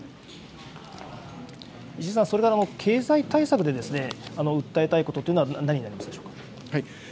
石井さん、それから経済対策で訴えたいことというのは何になりますでしょう